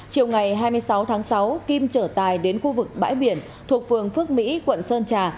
chiều ngày hai mươi sáu tháng sáu kim trở tài đến khu vực bãi biển thuộc phường phước mỹ quận sơn trà